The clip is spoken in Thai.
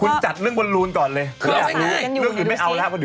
คุณจัดเรื่องบรรลูนก่อนเลย